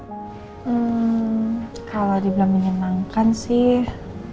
hmm kalau dibilang menyenangkan sih